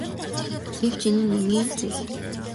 Гэвч энэ нь энгийн л зүйл.